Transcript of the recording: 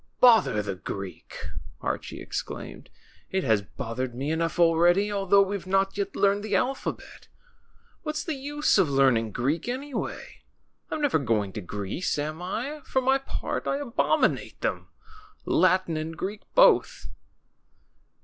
Bother the Greek!" Archie exclaimed. It has bothered me enough already, although we've not yet learned the alphabet. What's the use of learning Greek, anyway ? I'm never going to Greece, am I ? For my part I abominate them, Latin and Greek both."